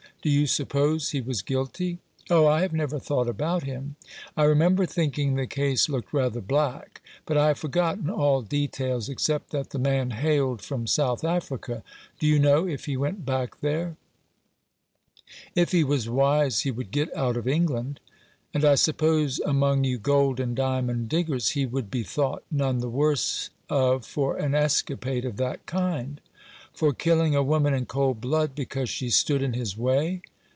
Do you suppose he was guilty ?" "Oh, I have never thought about him. I re member thinking the case looked rather black. But I have forgotten all details, except that the man hailed from South Africa. Do you know if he went back there ?"" If he was wise he would get out of England." "And I suppose among you gold and diamond diggers he would be thought none the worse of for an escapade of that kind " "For killing a woman in cold blood, because she stood in his way